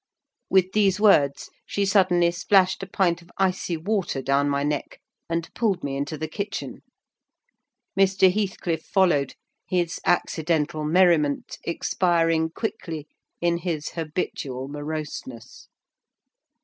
With these words she suddenly splashed a pint of icy water down my neck, and pulled me into the kitchen. Mr. Heathcliff followed, his accidental merriment expiring quickly in his habitual moroseness.